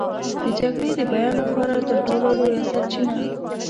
د جګړې د بیان لپاره تر ټولو لویه سرچینه.